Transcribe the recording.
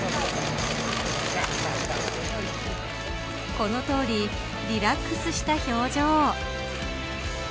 このとおりリラックスした表情。